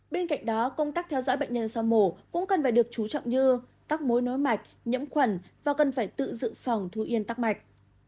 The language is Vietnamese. bên cạnh đó công tác theo dõi bệnh nhân sau mổ cũng cần phải được chú trọng như tắc mối nối mạch nhiễm khuẩn và cần phải tự dự phòng thu yên tắc mạch